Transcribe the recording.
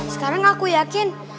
sekarang aku yakin